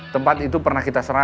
tempat itu pernah kita serahkan